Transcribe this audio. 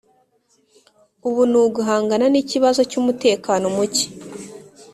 Ubu ni uguhangana n’ikibazo cy’umutekano mucye